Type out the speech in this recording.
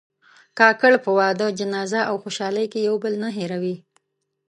کاکړ په واده، جنازه او خوشحالۍ کې یو بل نه هېروي.